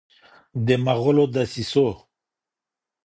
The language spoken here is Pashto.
د مغولو دسیسو